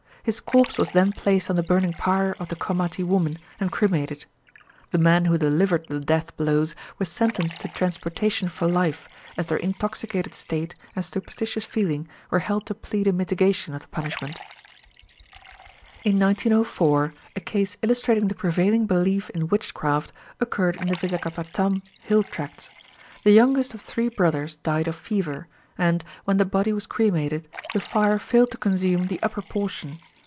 His corpse was then placed on the burning pyre of the Komati woman, and cremated. The men who delivered the death blows were sentenced to transportation for life, as their intoxicated state and superstitious feeling were held to plead in mitigation of the punishment. In 1904 a case illustrating the prevailing belief in witchcraft occurred in the Vizagapatam hill tracts. The youngest of three brothers died of fever, and, when the body was cremated, the fire failed to consume the upper portion.